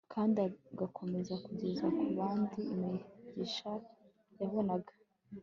kandi agakomeza kugeza ku bandi imigisha yabonaga